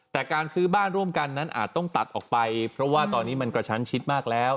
แต่การซื้อบ้านร่วมกันนั้นอาจต้องตัดออกไปเพราะว่าตอนนี้มันกระชั้นชิดมากแล้ว